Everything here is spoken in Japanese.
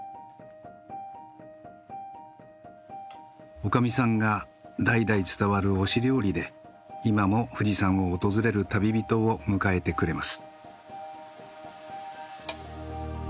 女将さんが代々伝わる御師料理で今も富士山を訪れる旅人を迎えてくれます。